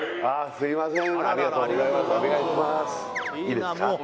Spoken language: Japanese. すいません